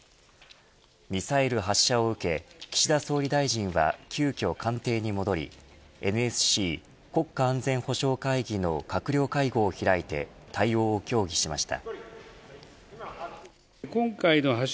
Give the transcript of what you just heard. ミサイル発射を受け岸田総理大臣は急きょ官邸に戻りＮＳＣ国家安全保障会議の閣僚会合を開いて対応を協議しました。